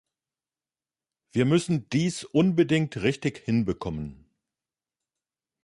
Wir müssen dies unbedingt richtig hinbekommen.